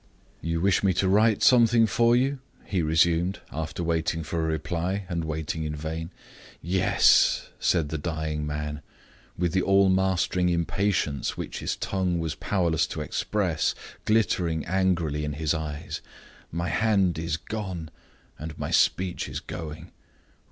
"You wish me to write something for you?" he resumed, after waiting for a reply, and waiting in vain. "Yes!" said the dying man, with the all mastering impatience which his tongue was powerless to express, glittering angrily in his eye. "My hand is gone, and my speech is going.